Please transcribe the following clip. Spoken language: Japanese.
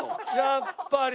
やっぱり。